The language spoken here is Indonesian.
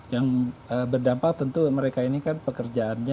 yang berdampak tentu mereka ini kan pekerjaannya